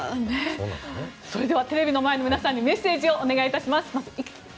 それではテレビの前の皆さんにメッセージをお願いします。